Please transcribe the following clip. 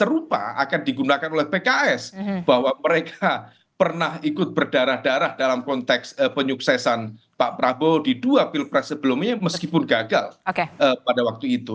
serupa akan digunakan oleh pks bahwa mereka pernah ikut berdarah darah dalam konteks penyuksesan pak prabowo di dua pilpres sebelumnya meskipun gagal pada waktu itu